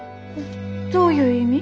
どういう意味？